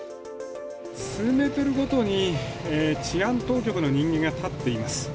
数メートルごとに治安当局の人間が立っています。